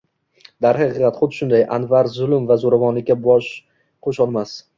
Darhaqiqat, xuddi shunday: Anvar zulm va zo’ravonlikka bosh qo’sholmas